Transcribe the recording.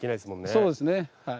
そうですね。